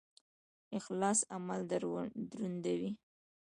اخلاص عمل دروندوي